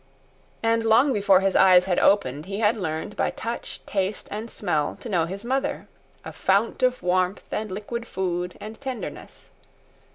And long before his eyes had opened he had learned by touch, taste, and smell to know his mother—a fount of warmth and liquid food and tenderness.